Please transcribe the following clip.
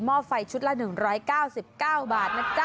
้อไฟชุดละ๑๙๙บาทนะจ๊ะ